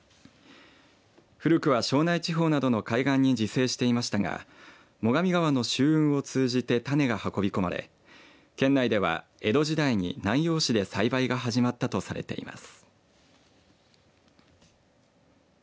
古くは庄内地方などの海岸に自生していましたが最上川の舟運を通じて種が運びこまれて、県内では江戸時代に南陽市で栽培が始まったとされています。